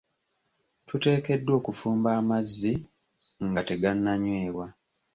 Tuteekeddwa okufumba amazzi nga tegananyweebwa.